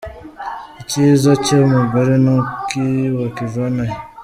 Icyiza cy’umugore ni iki? Wakivana he?”.